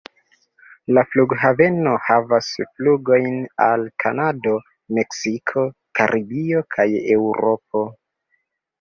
La flughaveno havas flugojn al Kanado, Meksiko, Karibio kaj Eŭropo.